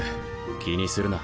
気にするな。